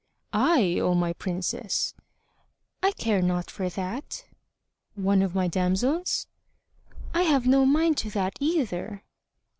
"I, O my princess!" "I care not for that;" "One of my damsels?" "I have no mind to that either!"